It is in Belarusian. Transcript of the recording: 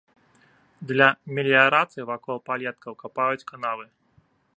Для меліярацыі вакол палеткаў капаюць канавы.